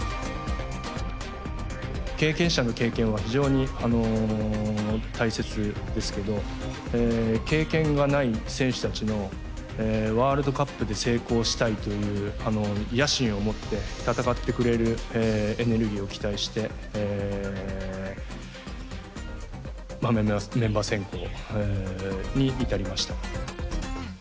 経験者の経験は非常に大切ですけど経験がない選手たちのワールドカップで成功したいという野心を持って戦ってくれるエネルギーを期待してメンバー選考に至りました。